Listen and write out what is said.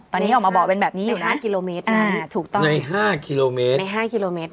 ตอนนี้ออกมาบอกเป็นแบบนี้อยู่นะถูกต้องใน๕กิโลเมตร